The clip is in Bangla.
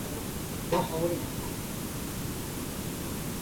তাই আমার মনে হয়, কোনো একক ব্যক্তি কারও অনুপ্রেরণা হতে পারেন না।